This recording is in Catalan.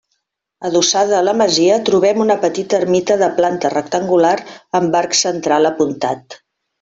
Adossada a la masia trobem una petita ermita de planta rectangular amb arc central apuntat.